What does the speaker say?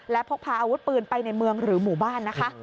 และพกพาอาวุธปืนไปในเมืองหรือหมู่บ้านนะคะ